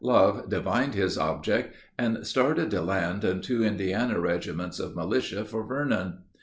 Love divined his object, and started De Land and two Indiana regiments of militia for Vernon.